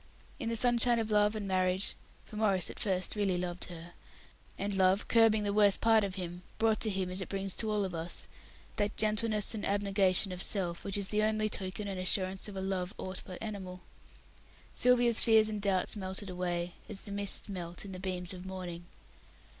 In the sunshine of Love and Marriage for Maurice at first really loved her; and love, curbing the worst part of him, brought to him, as it brings to all of us, that gentleness and abnegation of self which is the only token and assurance of a love aught but animal Sylvia's fears and doubts melted away, as the mists melt in the beams of morning.